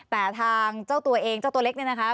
แต่ทางเจ้าตัวเองเจ้าตัวเล็กเนี่ยนะคะ